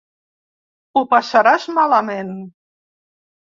Ho passaràs malament.